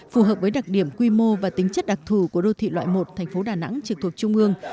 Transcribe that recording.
phù hợp với đặc điểm quy mô và tính chất đặc thù của đô thị loại một thành phố đà nẵng trực thuộc trung ương